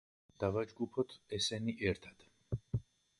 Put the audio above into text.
დავაჯგუფოთ ესენი ერთად.